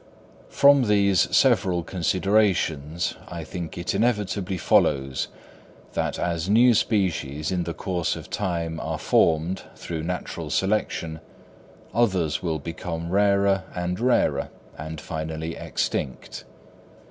From these several considerations I think it inevitably follows, that as new species in the course of time are formed through natural selection, others will become rarer and rarer, and finally extinct.